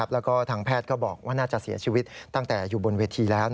แล้วก็ทางแพทย์ก็บอกว่าน่าจะเสียชีวิตตั้งแต่อยู่บนเวทีแล้ว